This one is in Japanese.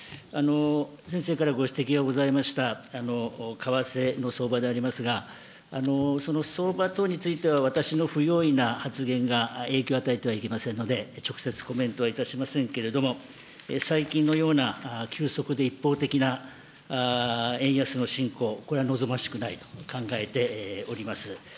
先生からご指摘がございました為替の相場でありますが、その相場等については、私の不用意な発言が影響を与えてはいけませんので、直接、コメントはいたしませんけれども、最近のような、急速で一方的な円安の進行、これは望ましくないと考えております。